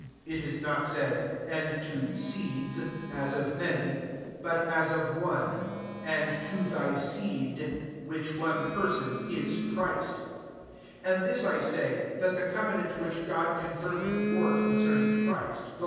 (It is not said, " And to i seeds," as of many ; but as of one ;" And to thy seed," which one person is Christ.) 17 And this I say, that the covenant which God confirmed before [^concerning Christ,^ thi GALATIANS IV.